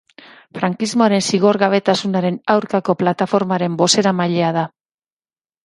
Frankismoaren zigorgabetasunaren aurkako plataformaren bozeramailea da.